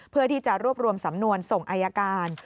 เพื่อที่จะรวบรวมสำนวนส่งอายการ